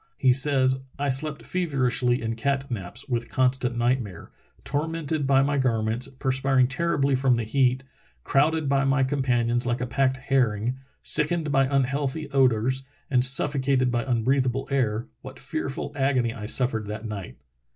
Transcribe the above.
He says: "I slept feverishly in cat naps, with constant nightmare. Tormented by my garments, perspiring terribly from the heat, crowded between my companions like a packed herring, sickened by unhealthy odors, and suffocated by unbreathable air, what fearful agony I suffered that night!